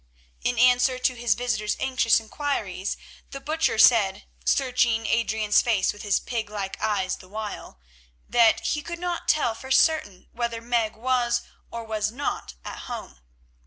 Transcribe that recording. In answer to his visitor's anxious inquiries the Butcher said, searching Adrian's face with his pig like eyes the while, that he could not tell for certain whether Meg was or was not at home.